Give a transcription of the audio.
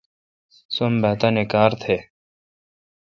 سم بھا تانی کار تھ۔